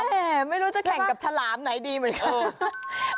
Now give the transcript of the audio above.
ไม่รู้จะแข่งกับฉลามไหนดีเหมือนกัน